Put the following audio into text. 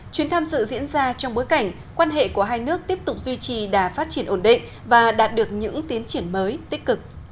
chuyến tham dự diễn ra trong bối cảnh quan hệ của hai nước tiếp tục duy trì đà phát triển ổn định và đạt được những tiến triển mới tích cực